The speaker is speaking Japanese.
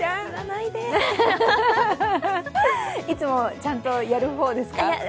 いつもちゃんとやるほうですか？